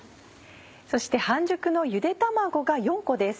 そして半熟のゆで卵が４個です。